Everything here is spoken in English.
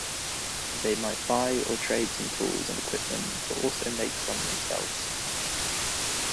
They might buy or trade some tools and equipment, but also make some themselves.